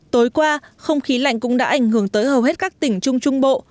tối qua không khí lạnh cũng đã ảnh hưởng tới hầu hết các tỉnh trung trung bộ